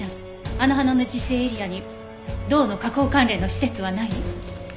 あの花の自生エリアに銅の加工関連の施設はない？